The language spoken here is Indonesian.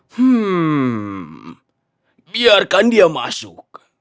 hmm biarkan dia masuk